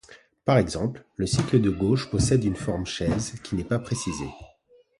Par exemple le cycle de gauche possède une forme chaise qui n'est pas précisée.